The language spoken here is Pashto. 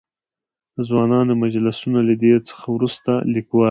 د ځوانانو مجلسونه؛ له دې څخه ورورسته ليکوال.